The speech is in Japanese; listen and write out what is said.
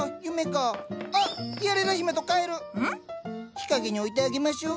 日陰に置いてあげましょう。